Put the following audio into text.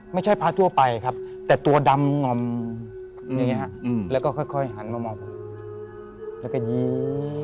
ไม่ใช่ภาคทั่วไปแต่ตัวดำหง่ำแล้วก็ค่อยหันมามองและก็ยิน